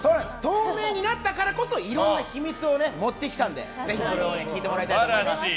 透明になったからこそいろんな秘密を持ってきたのでぜひそれを聞いてもらいたいと思います。